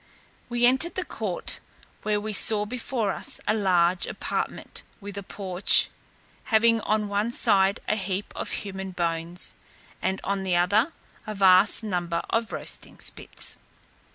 We entered the court, where we saw before us a large apartment, with a porch, having on one side a heap of human bones, and on the other a vast number of roasting spits.